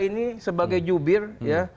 ini sebagai jubir ya